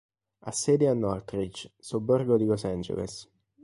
Ha sede a Northridge, sobborgo di Los Angeles.